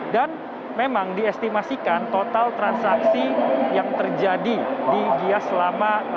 dan memang diestimasikan total transaksi yang terjadi di gias selama